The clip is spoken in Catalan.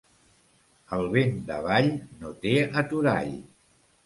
El vent d'avall no té aturall.